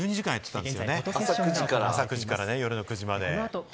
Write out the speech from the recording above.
１２時間、朝９時から夜の９時まで。